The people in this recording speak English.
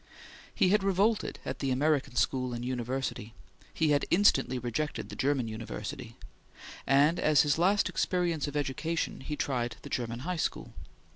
He had revolted at the American school and university; he had instantly rejected the German university; and as his last experience of education he tried the German high school.